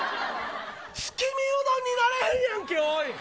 月見うどんにならへんやんけ。